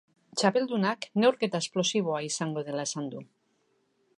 Txapeldunak neurketa esplosiboa izango dela esan du.